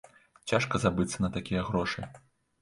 Цяжка забыцца на такія грошы.